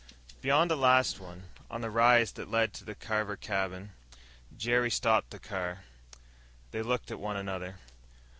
Beyond the last one, on the rise that led to the Carver cabin, Jerry stopped the car. They looked at one another.